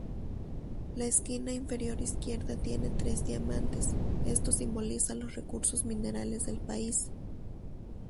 La esquina inferior izquierda tiene tres diamantes, esto simboliza los recursos minerales del país.